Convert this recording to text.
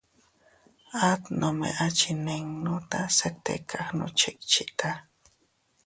At nome a chinninuta se tika gnuchickchita.